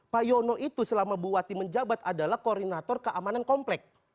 pak yono itu selama bupati menjabat adalah koordinator keamanan komplek